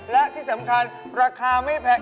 และที่สำคัญราคาไม่แพง